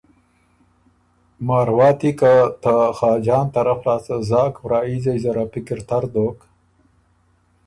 مارواتی که ته خاجان طرف لاسته زاک وراييځئ زر ا پِکر تر دوک،